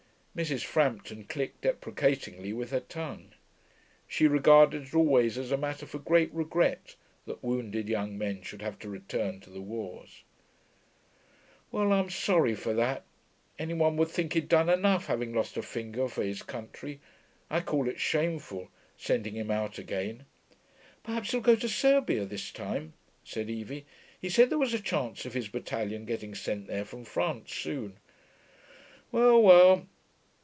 Mrs. Frampton clicked deprecatingly with her tongue. She regarded it always as a matter for great regret that wounded young men should have to return to the wars. 'Well, I'm sorry for that. Any one would think he'd done enough, having lost a finger for his country. I call it shameful, sending him out again.' 'Perhaps he'll go to Serbia this time,' said Evie. 'He said there was a chance of his battalion getting sent there from France soon.' 'Well, well.'